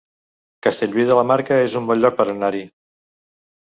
Castellví de la Marca es un bon lloc per anar-hi